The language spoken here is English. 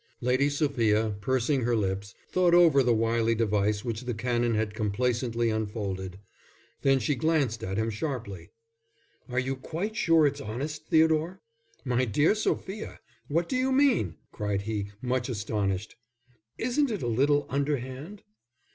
Lady Sophia, pursing her lips, thought over the wily device which the Canon had complacently unfolded, then she glanced at him sharply. "Are you quite sure it's honest, Theodore?" "My dear Sophia, what do you mean?" cried he, much astonished. "Isn't it a little underhand?"